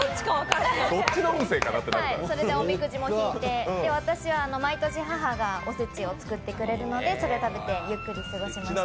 それでおみくじも引いて私は毎年、母がお節を作ってくれるのでそれを食べてゆっくり過ごしました。